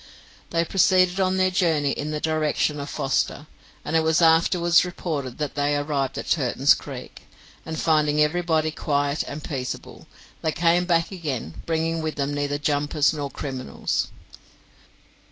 They proceeded on their journey in the direction of Foster, and it was afterwards reported that they arrived at Turton's Creek, and finding everybody quiet and peaceable, they came back again, bringing with them neither jumpers nor criminals.